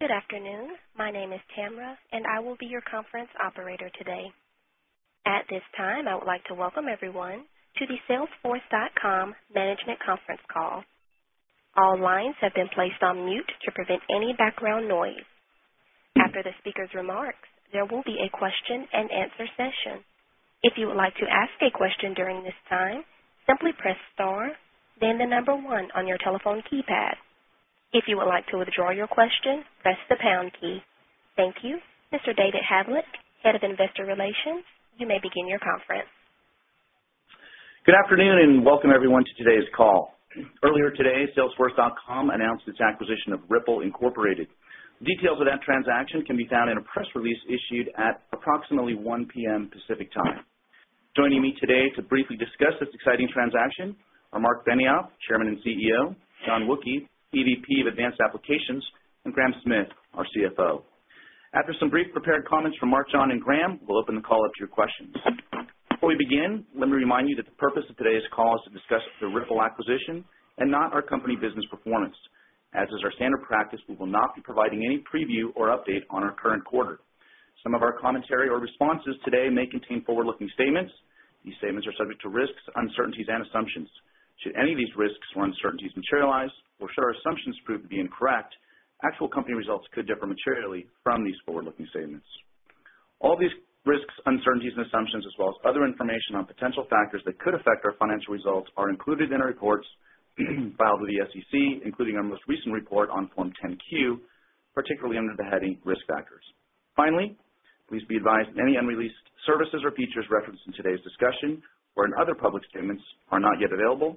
Good afternoon. My name is Tamra, and I will be your conference operator today. At this time, I would like to welcome everyone to the Salesforce.com Management Conference Call. All lines have been placed on mute to prevent any background noise. After the speakers' remarks, there will be a question-and-answer session. If you would like to ask a question during this time, simply press star, then the number one on your telephone keypad. If you would like to withdraw your question, press the pound key. Thank you. Mr. David Havlek, Head of Investor Relations, you may begin your conference. Good afternoon and welcome everyone to today's call. Earlier today, Salesforce.com announced its acquisition of Rypple, Inc. Details of that transaction can be found in a press release issued at approximately 1:00 P.M. Pacific Time. Joining me today to briefly discuss this exciting transaction are Marc Benioff, Chairman and CEO, John Wookey, EVP of Advanced Applications, and Graham Smith, our CFO. After some brief prepared comments from Marc, John, and Graham, we'll open the call up to your questions. Before we begin, let me remind you that the purpose of today's call is to discuss the Rypple acquisition and not our company business performance. As is our standard practice, we will not be providing any preview or update on our current quarter. Some of our commentary or responses today may contain forward-looking statements. These statements are subject to risks, uncertainties, and assumptions. Should any of these risks or uncertainties materialize, or should our assumptions prove to be incorrect, actual company results could differ materially from these forward-looking statements. All these risks, uncertainties, and assumptions, as well as other information on potential factors that could affect our financial results, are included in our reports filed with the SEC, including our most recent report on Form 10-Q, particularly under the heading Risk Factors. Finally, please be advised any unreleased services or features referenced in today's discussion or in other public statements are not yet available.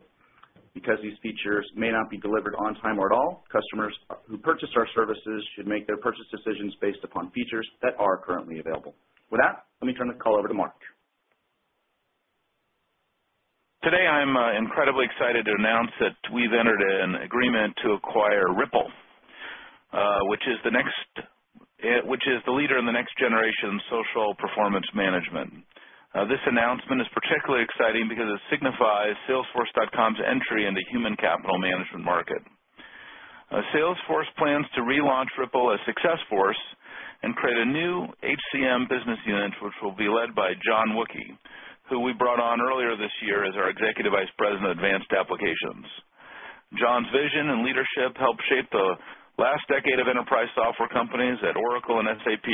Because these features may not be delivered on time or at all, customers who purchased our services should make their purchase decisions based upon features that are currently available. With that, let me turn the call over to Marc. Today, I'm incredibly excited to announce that we've entered an agreement to acquire Rypple, which is the leader in the next generation social performance management. This announcement is particularly exciting because it signifies Salesforce's entry into the human capital management market. Salesforce plans to relaunch Rypple as Successforce and create a new HCM business unit, which will be led by John Wookey, who we brought on earlier this year as our Executive Vice President of Advanced Applications. John's vision and leadership helped shape the last decade of enterprise software companies at Oracle and SAP,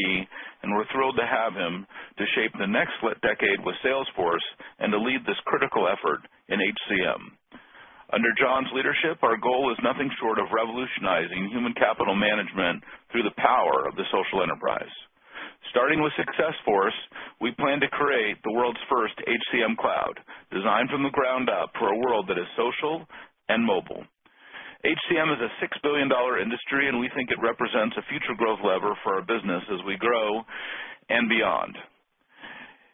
and we're thrilled to have him to shape the next decade with Salesforce and to lead this critical effort in HCM. Under John's leadership, our goal is nothing short of revolutionizing human capital management through the power of the social enterprise. Starting with Successforce, we plan to create the world's first HCM cloud, designed from the ground up for a world that is social and mobile. HCM is a $6-billion industry, and we think it represents a future growth lever for our business as we grow and beyond.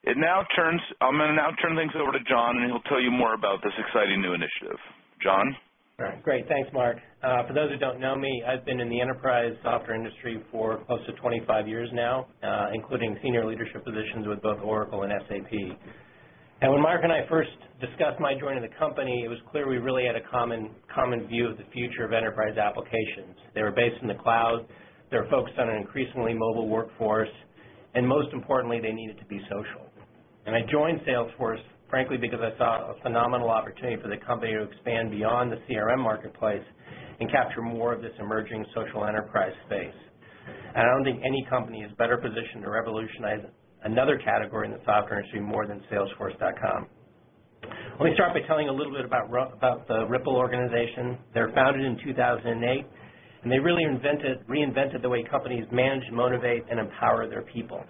I'm going to now turn things over to John, and he'll tell you more about this exciting new initiative. John? Great. Thanks, Marc. For those who don't know me, I've been in the Enterprise Software industry for close to 25 years now, including Senior Leadership positions with both Oracle and SAP. When Marc and I first discussed my joining the company, it was clear we really had a common view of the future of enterprise applications. They were based in the cloud, focused on an increasingly mobile workforce, and most importantly, they needed to be social. I joined Salesforce, frankly, because I saw a phenomenal opportunity for the company to expand beyond the CRM marketplace and capture more of this emerging social enterprise space. I don't think any company is better positioned to revolutionize another category in the software industry more than Salesforce. Let me start by telling you a little bit about the Rypple organization. They were founded in 2008, and they really reinvented the way companies manage, motivate, and empower their people.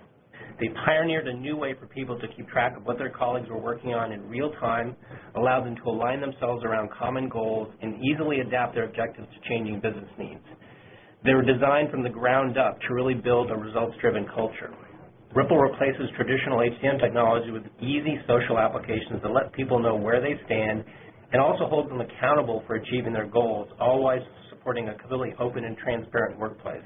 They pioneered a new way for people to keep track of what their colleagues were working on in real time, allowed them to align themselves around common goals, and easily adapt their objectives to changing business needs. They were designed from the ground up to really build a results-driven culture. Rypple replaces traditional HCM technology with easy social applications that let people know where they stand and also hold them accountable for achieving their goals, always supporting a completely open and transparent workplace.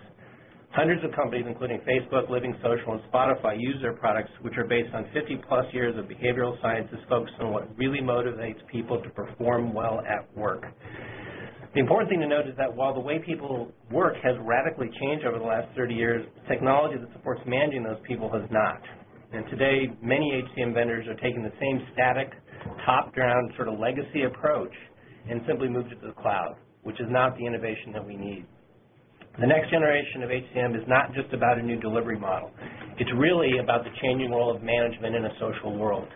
Hundreds of companies, including Facebook, LivingSocial, and Spotify, use their products, which are based on 50+ years of behavioral science that's focused on what really motivates people to perform well at work. The important thing to note is that while the way people work has radically changed over the last 30 years, technology that supports managing those people has not. Today, many HCM vendors are taking the same static, top-down, sort of legacy approach and simply moving it to the cloud, which is not the innovation that we need. The next generation of HCM is not just about a new delivery model. It's really about the changing role of management in a social world.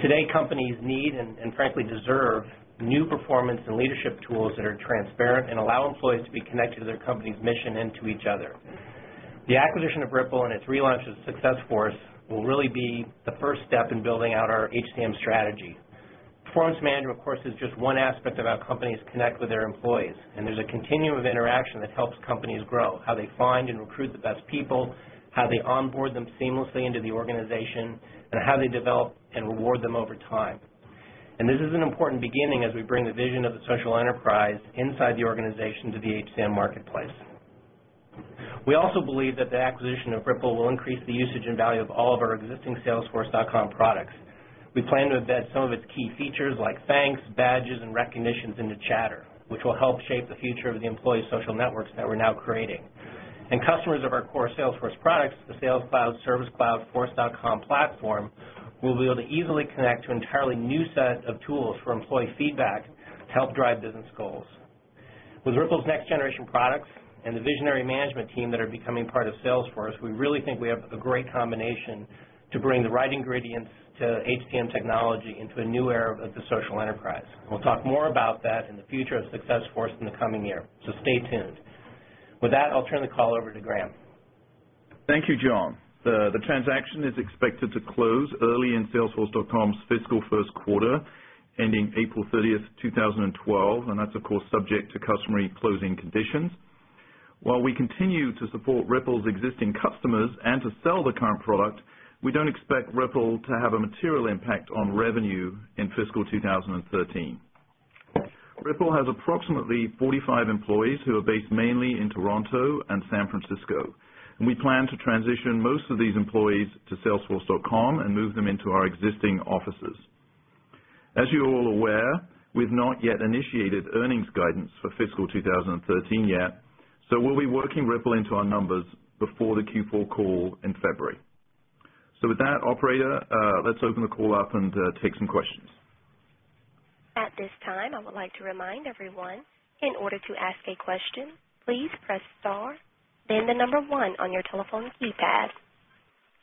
Today, companies need and frankly deserve new performance and leadership tools that are transparent and allow employees to be connected to their company's mission and to each other. The acquisition of Rypple and its relaunch of Successforce will really be the first step in building out our HCM strategy. Performance management, of course, is just one aspect of how companies connect with their employees. There's a continuum of interaction that helps companies grow, how they find and recruit the best people, how they onboard them seamlessly into the organization, and how they develop and reward them over time. This is an important beginning as we bring the vision of the social enterprise inside the organization to the HCM marketplace. We also believe that the acquisition of Rypple will increase the usage and value of all of our existing Salesforce products. We plan to embed some of its key features, like Thanks, Badges, and Recognitions, into Chatter, which will help shape the future of the employee social networks that we're now creating. Customers of our core Salesforce products, the Sales Cloud, Service Cloud, Force.com platform, will be able to easily connect to an entirely new set of tools for employee feedback to help drive business goals. With Rypple's next-generation products and the visionary management team that are becoming part of Salesforce, we really think we have a great combination to bring the right ingredients to HCM technology into a new era of the social enterprise. We'll talk more about that and the future of Successforce in the coming year. Stay tuned. With that, I'll turn the call over to Graham. Thank you, John. The transaction is expected to close early in Salesforce's fiscal first quarter, ending April 30, 2012. That's, of course, subject to customary closing conditions. While we continue to support Rypple's existing customers and to sell the current product, we don't expect Rypple to have a material impact on revenue in fiscal 2013. Rypple has approximately 45 employees who are based mainly in Toronto and San Francisco. We plan to transition most of these employees to Salesforce and move them into our existing offices. As you're all aware, we've not yet initiated earnings guidance for fiscal 2013 yet. We'll be working Rypple into our numbers before the Q4 call in February. With that, operator, let's open the call up and take some questions. At this time, I would like to remind everyone, in order to ask a question, please press star, then the number one on your telephone keypad.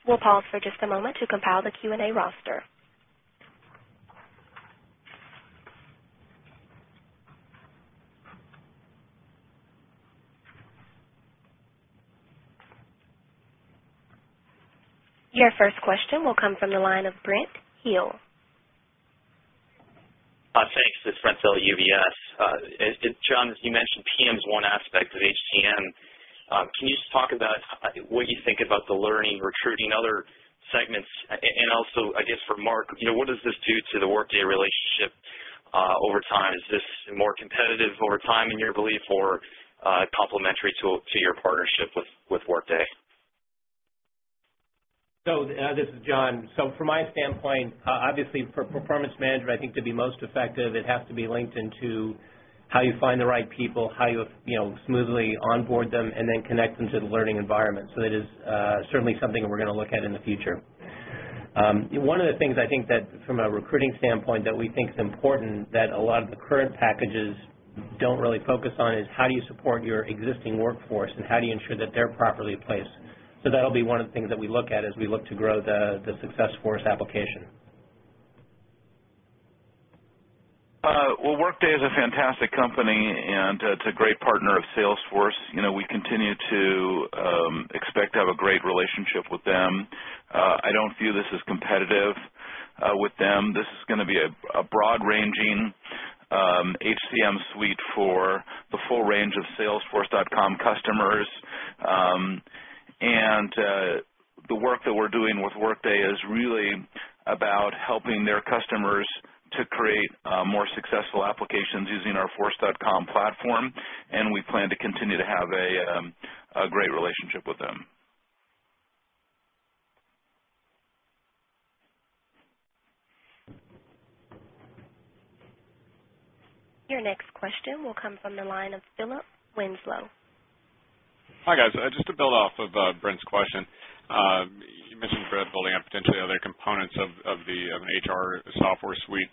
We'll pause for just a moment to compile the Q&A roster. Your first question will come from the line of Brent Thill. Thanks, this is Brent Thill, UBS. John, as you mentioned, PM is one aspect of HCM. Can you just talk about what you think about the learning, recruiting, and other segments? Also, I guess for Marc, you know what does this do to the Workday relationship over time? Is this more competitive over time, in your belief, or complementary to your partnership with Workday? From my standpoint, obviously, for performance management, I think to be most effective, it has to be linked into how you find the right people, how you smoothly onboard them, and then connect them to the learning environment. That is certainly something that we're going to look at in the future. One of the things I think that, from a recruiting standpoint, we think is important that a lot of the current packages don't really focus on is how do you support your existing workforce and how do you ensure that they're properly placed. That'll be one of the things that we look at as we look to grow the Successforce application. Workday is a fantastic company, and it's a great partner of Salesforce. We continue to expect to have a great relationship with them. I don't view this as competitive with them. This is going to be a broad-ranging HCM suite for the full range of Salesforce.com customers. The work that we're doing with Workday is really about helping their customers to create more successful applications using our Force.com platform. We plan to continue to have a great relationship with them. Your next question will come from the line of Philip Winslow. Hi, guys. Just to build off of Brent's question, you mentioned Brent building out potentially other components of the HR software suite.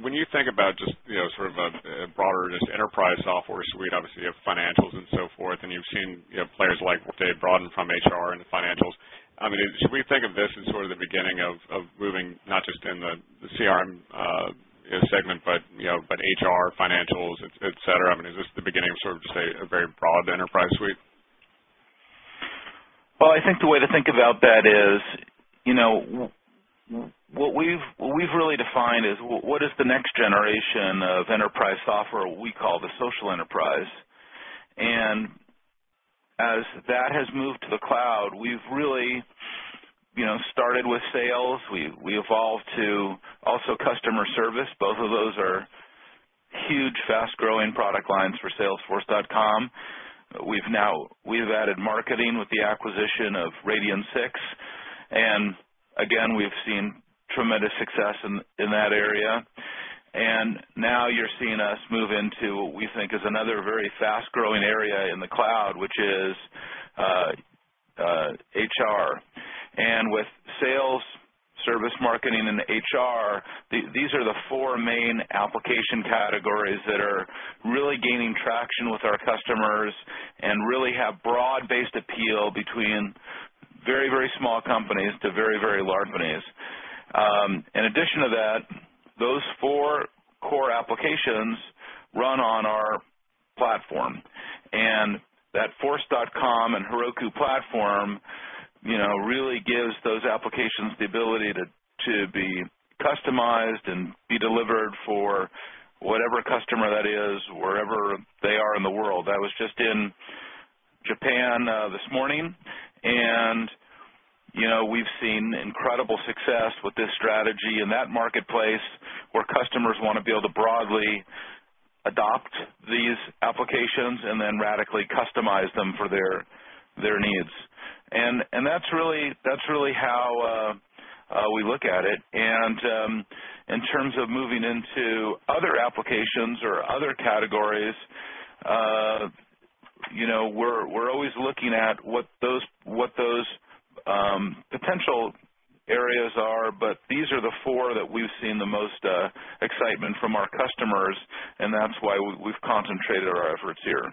When you think about just sort of a broader enterprise software suite, obviously, you have financials and so forth. You've seen players like Dave Broughton from HR and the Financials. I mean, should we think of this as sort of the beginning of moving not just in the CRM segment, but HR, Financials, et cetera? I mean, is this the beginning of just a very broad enterprise suite? I think the way to think about that is what we've really defined is what is the next generation of enterprise software we call the social enterprise. As that has moved to the cloud, we've really started with sales. We evolved to also customer service. Both of those are huge, fast-growing product lines for Salesforce. We've added marketing with the acquisition of Radian6, and again, we've seen tremendous success in that area. Now you're seeing us move into what we think is another very fast-growing area in the cloud, which is HR. With sales, service, marketing, and HR, these are the four main application categories that are really gaining traction with our customers and really have broad-based appeal between very, very small companies to very, very large companies. In addition to that, those four core applications run on our platform. That Force.com and Heroku platform really gives those applications the ability to be customized and be delivered for whatever customer that is, wherever they are in the world. I was just in Japan this morning, and we've seen incredible success with this strategy in that marketplace where customers want to be able to broadly adopt these applications and then radically customize them for their needs. That's really how we look at it. In terms of moving into other applications or other categories, we're always looking at what those potential areas are. These are the four that we've seen the most excitement from our customers, and that's why we've concentrated our efforts here.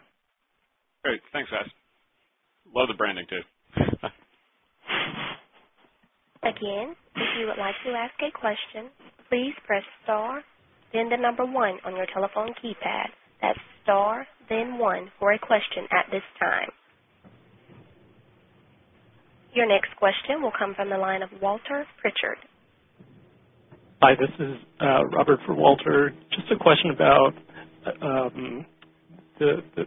Great. Thanks, guys. Love the branding too. Again, if you would like to ask a question, please press star, then the number one on your telephone keypad. That's star, then one for a question at this time. Your next question will come from the line of Walter Pritchard. Hi. This is Robert for Walter. Just a question about the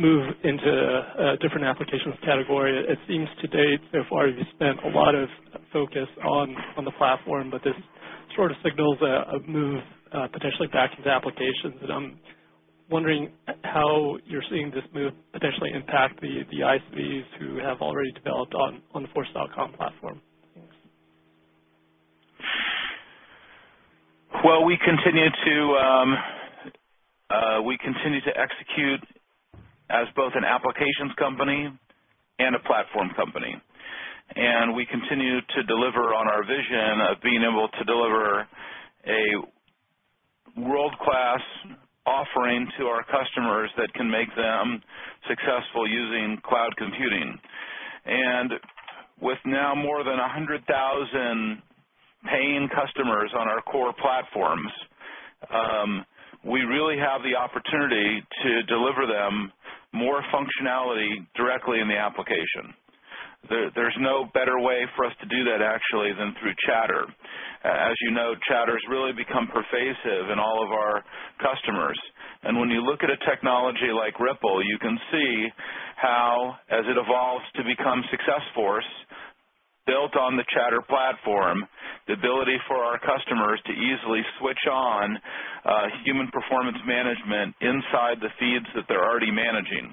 move into a different applications category. It seems today, so far, you've spent a lot of focus on the platform. This sort of signals a move potentially back into applications. I'm wondering how you're seeing this move potentially impact the ISVs who have already developed on the Force.com platform. We continue to execute as both an Applications company and a Platform company. We continue to deliver on our vision of being able to deliver a world-class offering to our customers that can make them successful using cloud computing. With now more than 100,000 paying customers on our core platforms, we really have the opportunity to deliver them more functionality directly in the application. There's no better way for us to do that, actually, than through Chatter. As you know, Chatter has really become pervasive in all of our customers. When you look at a technology like Rypple, you can see how, as it evolves to become Successforce, built on the Chatter platform, the ability for our customers to easily switch on human performance management inside the feeds that they're already managing.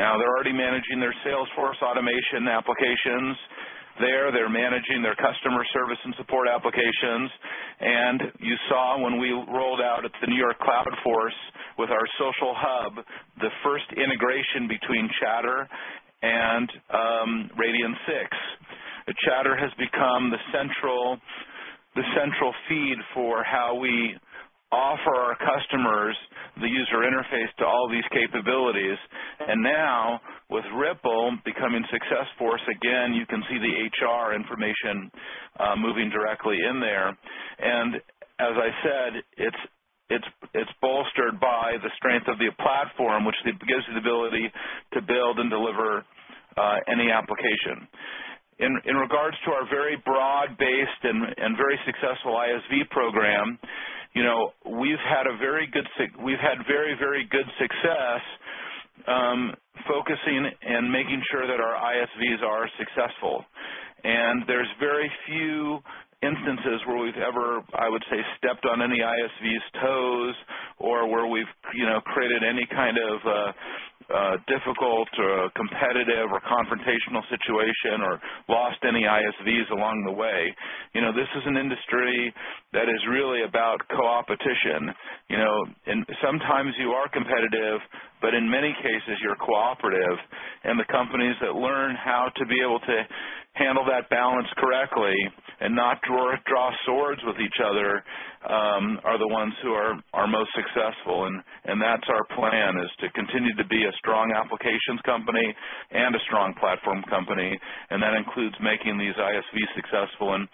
Now, they're already managing their Salesforce automation applications. They're managing their customer service and support applications. You saw when we rolled out at the New York Cloudforce with our social hub, the first integration between Chatter and Radian6. Chatter has become the central feed for how we offer our customers the user interface to all these capabilities. Now, with Rypple becoming Successforce, again, you can see the HR information moving directly in there. As I said, it's bolstered by the strength of the platform, which gives you the ability to build and deliver any application. In regards to our very broad-based and very successful ISV program, we've had very, very good success focusing and making sure that our ISVs are successful. There's very few instances where we've ever, I would say, stepped on any ISV's toes or where we've created any kind of difficult or competitive or confrontational situation or lost any ISVs along the way. This is an industry that is really about coopetition. Sometimes you are competitive, but in many cases, you're cooperative. The companies that learn how to be able to handle that balance correctly and not draw swords with each other are the ones who are most successful. That's our plan, to continue to be a strong applications company and a strong platform company. That includes making these ISVs successful and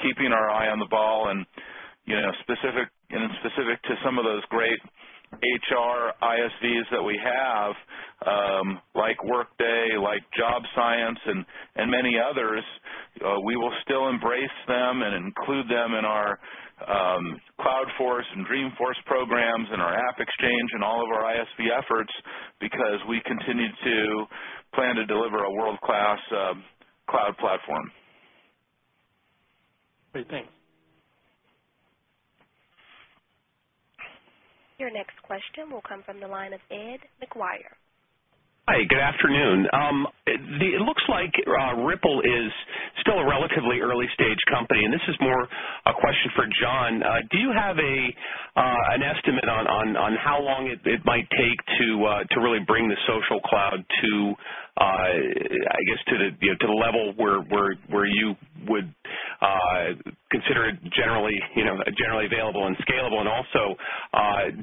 keeping our eye on the ball. Specific to some of those great HR ISVs that we have, like Workday, like Jobscience, and many others, we will still embrace them and include them in our Cloudforce and Dreamforce programs and our AppExchange and all of our ISV efforts because we continue to plan to deliver a world-class cloud platform. Great. Thanks. Your next question will come from the line of Ed McGuire. Hi. Good afternoon. It looks like Rypple is still a relatively early-stage company. This is more a question for John. Do you have an estimate on how long it might take to really bring the social cloud to, I guess, to the level where you would consider it generally available and scalable?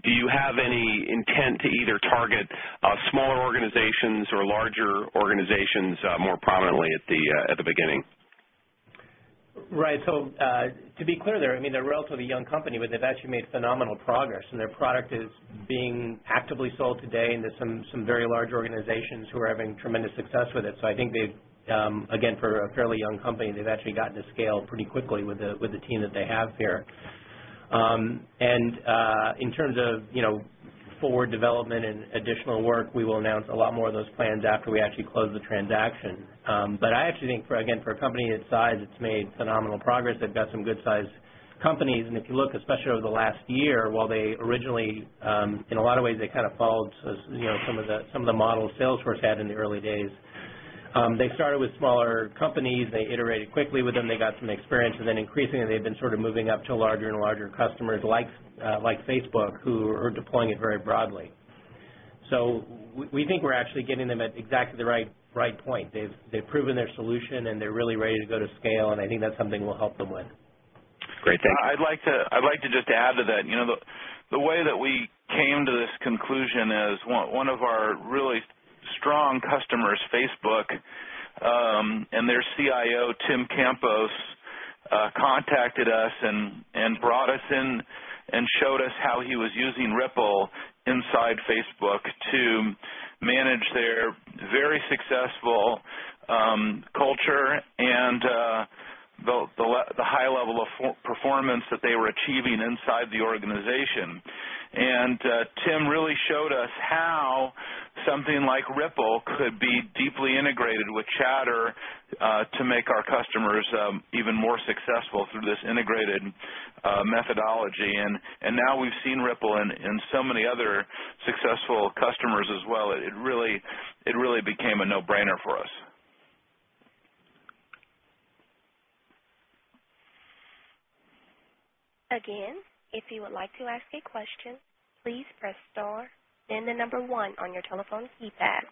Do you have any intent to either target smaller organizations or larger organizations more prominently at the beginning? Right. To be clear there, I mean, they're a relatively young company, but they've actually made phenomenal progress. Their product is being actively sold today into some very large organizations who are having tremendous success with it. I think, again, for a fairly young company, they've actually gotten to scale pretty quickly with the team that they have here. In terms of forward development and additional work, we will announce a lot more of those plans after we actually close the transaction. I actually think, again, for a company its size, it's made phenomenal progress. They've got some good-sized companies. If you look, especially over the last year, while they originally, in a lot of ways, kind of followed some of the models Salesforce had in the early days, they started with smaller companies. They iterated quickly with them. They got some experience. Increasingly, they've been sort of moving up to larger and larger customers like Facebook, who are deploying it very broadly. We think we're actually getting them at exactly the right point. They've proven their solution, and they're really ready to go to scale. I think that's something we'll help them with. Great. Thanks. I'd like to just add to that. You know the way that we came to this conclusion is one of our really strong customers, Facebook, and their CIO, Tim Campos, contacted us and brought us in and showed us how he was using Rypple inside Facebook to manage their very successful culture and the high level of performance that they were achieving inside the organization. Tim really showed us how something like Rypple could be deeply integrated with Chatter to make our customers even more successful through this integrated methodology. Now we've seen Rypple in so many other successful customers as well. It really became a no-brainer for us. Again, if you would like to ask a question, please press star, then the number one on your telephone keypad.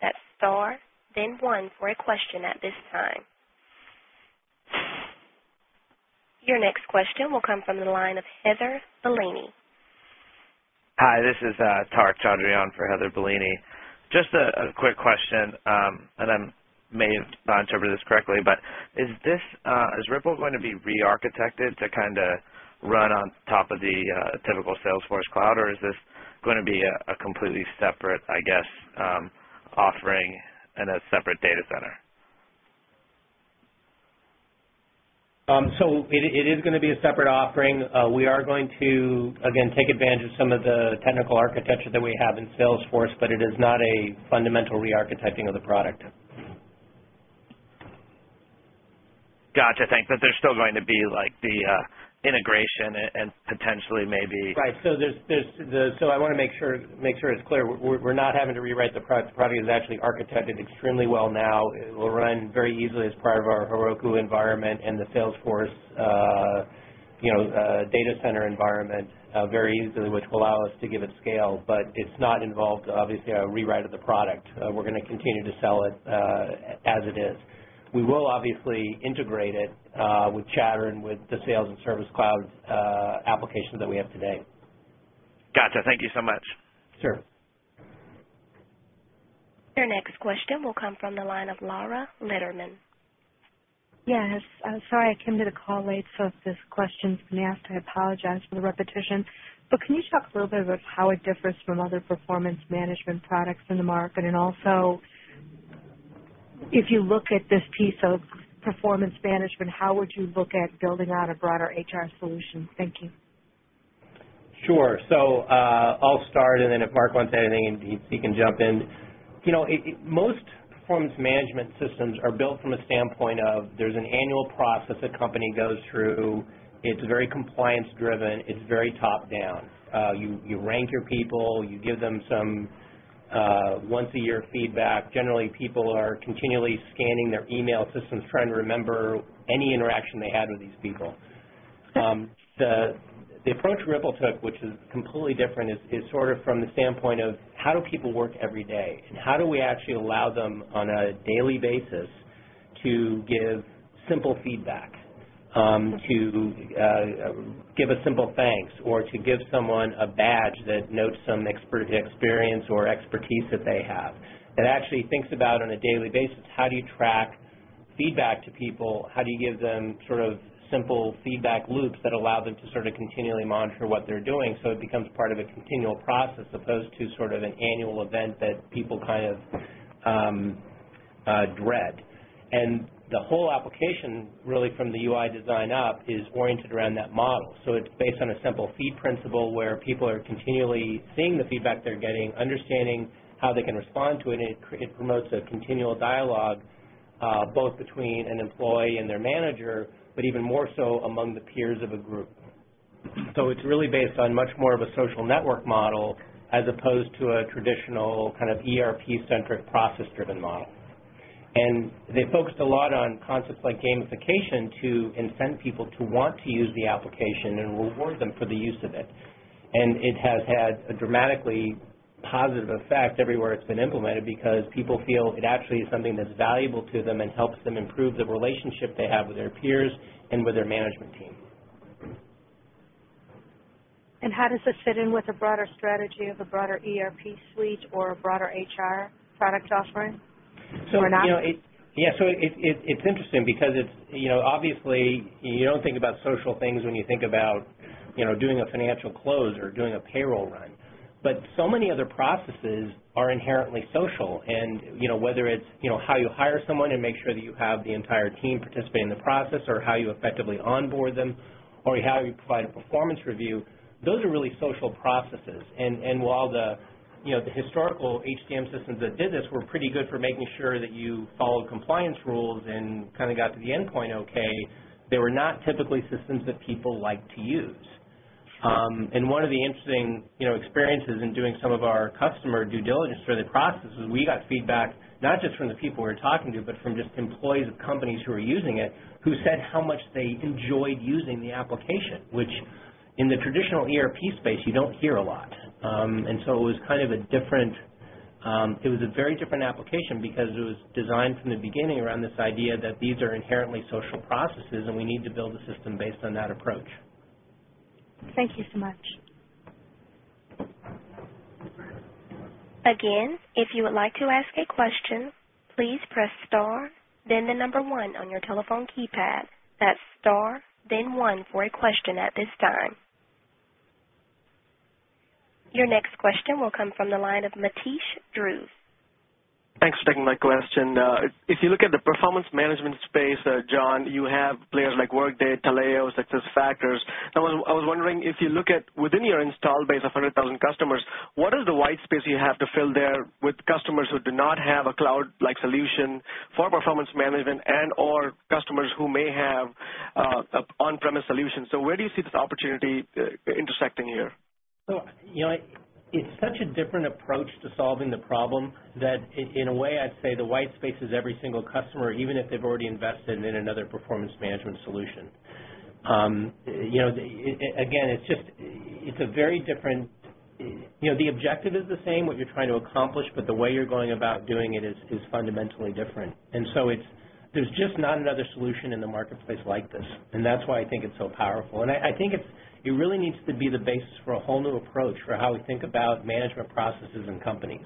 That's star, then one for a question at this time. Your next question will come from the line of Heather Bellini. Hi, this is Tarek Chandriyan for Heather Bellini. Just a quick question. I may have not interpreted this correctly, but is Rypple going to be re-architected to kind of run on top of the typical Salesforce cloud, or is this going to be a completely separate, I guess, offering in a separate data center? It is going to be a separate offering. We are going to, again, take advantage of some of the technical architecture that we have in Salesforce, but it is not a fundamental re-architecting of the product. Gotcha. Thanks. There is still going to be the integration and potentially maybe. Right. I want to make sure it's clear. We're not having to rewrite the product. The product is actually architected extremely well now. It will run very easily as part of our Heroku environment and the Salesforce data center environment very easily, which will allow us to give it scale. It does not involve, obviously, a rewrite of the product. We're going to continue to sell it as it is. We will obviously integrate it with Chatter and with the Sales and Service Cloud applications that we have today. Gotcha. Thank you so much. Sure. Your next question will come from the line of Laura Litterman. Yes. Sorry, I came to the call late. If this question's been asked, I apologize for the repetition. Can you talk a little bit about how it differs from other performance management products in the market? Also, if you look at this piece of performance management, how would you look at building out a broader HR solution? Thank you. Sure. I'll start, and if Marc wants to add anything, he can jump in. Most performance management systems are built from a standpoint of there's an annual process a company goes through. It's very compliance-driven. It's very top-down. You rank your people. You give them some once-a-year feedback. Generally, people are continually scanning their email systems, trying to remember any interaction they had with these people. The approach Rypple took, which is completely different, is sort of from the standpoint of how do people work every day? How do we actually allow them on a daily basis to give simple feedback, to give a simple thanks, or to give someone a badge that notes some experience or expertise that they have? It actually thinks about, on a daily basis, how do you track feedback to people? How do you give them sort of simple feedback loops that allow them to sort of continually monitor what they're doing? It becomes part of a continual process, as opposed to an annual event that people kind of dread. The whole application, really, from the UI design up, is oriented around that model. It's based on a simple feed principle, where people are continually seeing the feedback they're getting, understanding how they can respond to it. It promotes a continual dialogue both between an employee and their manager, but even more so among the peers of a group. It's really based on much more of a social network model, as opposed to a traditional kind of ERP-centric process-driven model. They focused a lot on concepts like gamification to incent people to want to use the application and reward them for the use of it. It has had a dramatically positive effect everywhere it's been implemented because people feel it actually is something that's valuable to them and helps them improve the relationship they have with their peers and with their management team. How does this fit in with a broader strategy of a broader ERP suite or a broader HR product offering? Yeah. It's interesting because, obviously, you don't think about social things when you think about doing a financial close or doing a payroll run. So many other processes are inherently social. Whether it's how you hire someone and make sure that you have the entire team participate in the process, or how you effectively onboard them, or how you provide a performance review, those are really social processes. While the historical HCM systems that did this were pretty good for making sure that you followed compliance rules and kind of got to the endpoint OK, they were not typically systems that people liked to use. One of the interesting experiences in doing some of our customer due diligence through the process was we got feedback not just from the people we were talking to, but from just employees of companies who were using it, who said how much they enjoyed using the application, which in the traditional ERP space, you don't hear a lot. It was a very different application because it was designed from the beginning around this idea that these are inherently social processes, and we need to build a system based on that approach. Thank you so much. Again, if you would like to ask a question, please press star, then the number one on your telephone keypad. That's star, then one for a question at this time. Your next question will come from the line of Matish Drew. Thanks for taking my question. If you look at the performance management space, John, you have players like Workday, Taleo, SuccessFactors. I was wondering, if you look at within your install base of 100,000 customers, what is the white space you have to fill there with customers who do not have a cloud-like solution for performance management and/or customers who may have an on-premise solution? Where do you see this opportunity intersecting here? It is such a different approach to solving the problem that, in a way, I'd say the white space is every single customer, even if they've already invested in another performance management solution. It's just a very different—the objective is the same, what you're trying to accomplish, but the way you're going about doing it is fundamentally different. There's just not another solution in the marketplace like this. That's why I think it's so powerful. I think it really needs to be the basis for a whole new approach for how we think about management processes and companies.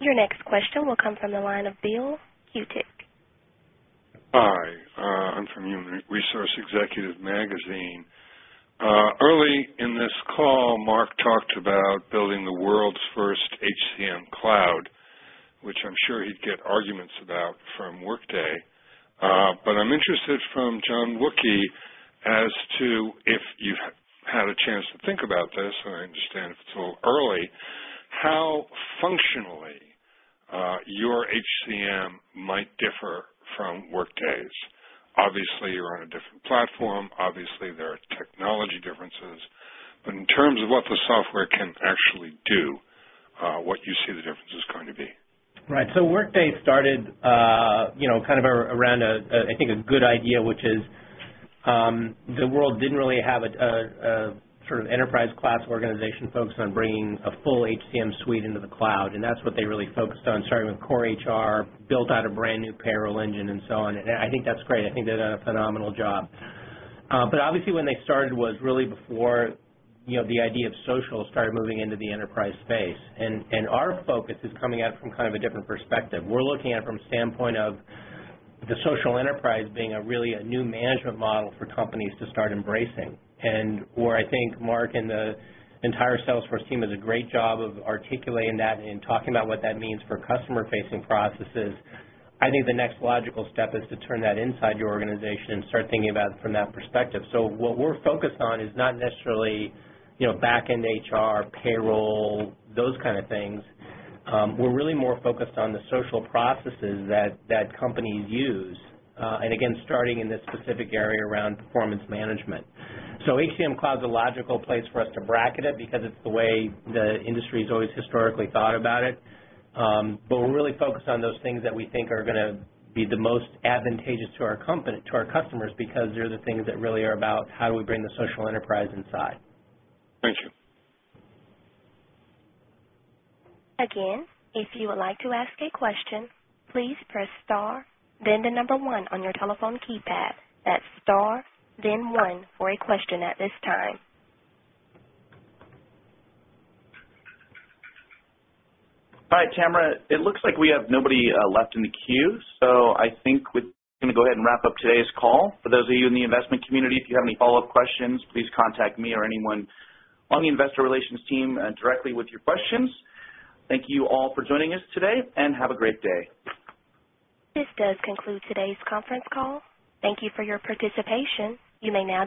Your next question will come from the line of Bill Hewtig. Hi. I'm from Human Resource Executive Magazine. Early in this call, Marc talked about building the world's first HCM cloud, which I'm sure he'd get arguments about from Workday. I'm interested from John Wookey as to, if you've had a chance to think about this, and I understand it's a little early, how functionally your HCM might differ from Workday's. Obviously, you're on a different platform. Obviously, there are technology differences. In terms of what the software can actually do, what do you see the difference is going to be? Right. Workday started kind of around, I think, a good idea, which is the world didn't really have a sort of enterprise-class organization focused on bringing a full HCM suite into the cloud. That's what they really focused on, starting with core HR, built out a brand new payroll engine, and so on. I think that's great. I think they did a phenomenal job. Obviously, when they started was really before the idea of social started moving into the enterprise space. Our focus is coming at it from kind of a different perspective. We're looking at it from a standpoint of the social enterprise being really a new management model for companies to start embracing. Where I think Marc and the entire Salesforce team does a great job of articulating that and talking about what that means for customer-facing processes, I think the next logical step is to turn that inside your organization and start thinking about it from that perspective. What we're focused on is not necessarily back-end HR, payroll, those kind of things. We're really more focused on the social processes that companies use, and again, starting in this specific area around performance management. HCM cloud is a logical place for us to bracket it because it's the way the industry has always historically thought about it. We're really focused on those things that we think are going to be the most advantageous to our customers because they're the things that really are about how do we bring the social enterprise inside. Again, if you would like to ask a question, please press star, then the number one on your telephone keypad. That's star, then one for a question at this time. All right, Tamra. It looks like we have nobody left in the queue. I think we're going to go ahead and wrap up today's call. For those of you in the investment community, if you have any follow-up questions, please contact me or anyone on the Investor Relations team directly with your questions. Thank you all for joining us today. Have a great day. This does conclude today's conference call. Thank you for your participation. You may now.